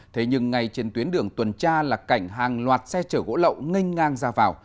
thế nhưng ngay trên tuyến đường tuần tra là cảnh hàng loạt xe chở gỗ lậu nghinh ngang ra vào